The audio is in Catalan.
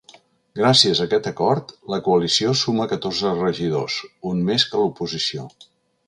Gràcies a aquest acord, la coalició suma catorze regidors, un més que l’oposició.